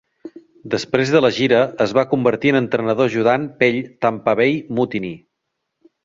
Després de la gira, es va convertir en entrenador ajudant pell Tampa Bay Mutiny.